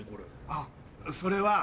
あっそれは。